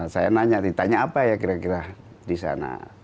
saya nanya ditanya apa ya kira kira disana